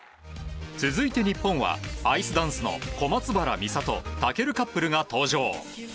続いて日本はアイスダンスの小松原美里、尊カップルが登場。